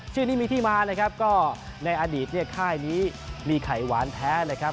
ชื่อนี้มีที่มานะครับก็ในอดีตเนี่ยค่ายนี้มีไข่หวานแท้เลยครับ